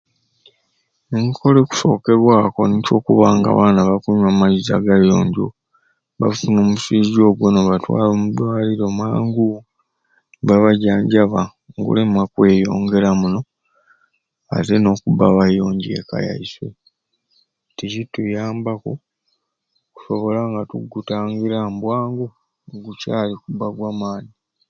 Nkola ekikusokerwaku okubona nga abaana bakunywa amaizzi agayonjo nebafuna omusujja ogo nobatwala omu dwaliro mangu ne babajanjaba negulema okweyongera muno ate nokuba abayonjo ekka yaiswe nti kituyambaku okusobola okuba nga tugutangira mubwangu nikukyali kuba gwamani